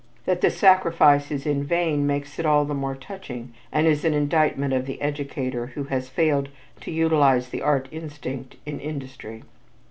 That the sacrifice is in vain makes it all the more touching and is an indictment of the educator who has failed to utilize the art instinct in industry.